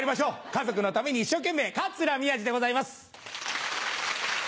家族のために一生懸命桂宮治でございます。